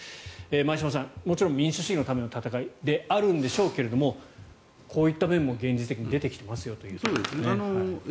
前嶋さん、もちろん民主主義のための戦いであるんでしょうがこういった面も現実に出てきていると。